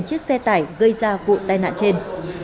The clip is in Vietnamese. chiếc xe tải gây ra vụ tai nạn trên